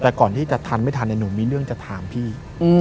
แต่ก่อนที่จะทันไม่ทันหนูมีเรื่องจะถามพี่